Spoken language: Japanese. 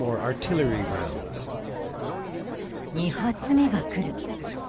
２発目が来る。